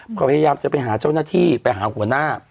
พยายามจะไปหาเจ้าหน้าที่ไปหาหัวหน้า